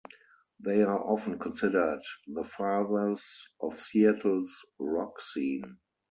They are often considered the fathers of Seattle's rock scene.